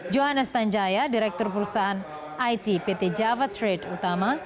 johannes tanjaya direktur perusahaan it pt java trade utama